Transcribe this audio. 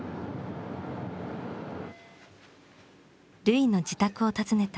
瑠唯の自宅を訪ねた。